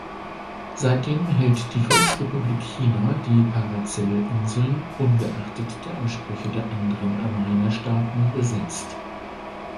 Seitdem hält die Volksrepublik China die Paracel-Inseln, ungeachtet der Ansprüche der anderen Anrainerstaaten, besetzt.